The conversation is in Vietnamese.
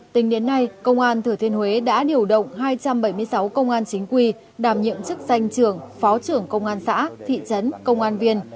tính đến nay công an thừa thiên huế đã điều động hai trăm bảy mươi sáu công an chính quy đảm nhiệm chức danh trưởng phó trưởng công an xã thị trấn công an viên